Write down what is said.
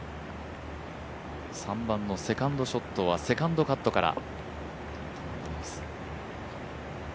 ３番のセカンドショットはセカンドカットから。